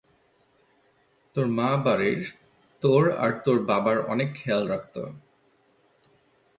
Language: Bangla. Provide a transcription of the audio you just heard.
তোর মা বাড়ির, তোর আর তোর বাবার অনেক খেয়াল রাখত।